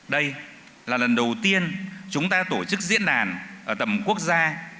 đây là lần đầu tiên chúng ta tổ chức diễn đàn ở tầm quốc gia